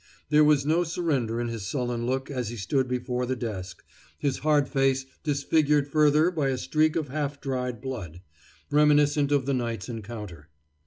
There was no surrender in his sullen look as he stood before the desk, his hard face disfigured further by a streak of half dried blood, reminiscent of the night's encounter.